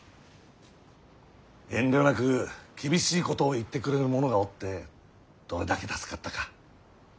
遠慮なく厳しいことを言ってくれる者がおってどれだけ助かったか。